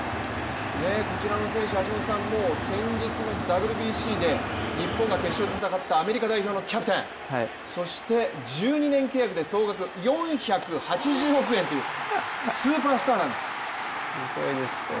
こちらの選手、先日のＷＢＣで日本が決勝で戦ったアメリカ代表のキャプテン、そして、１２年契約で総額４８０億円というスーパースターなんです。